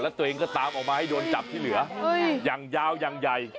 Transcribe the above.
แล้วตัวเองก็ตามออกมาให้โดนจับที่เหลืออย่างยาวอย่างใหญ่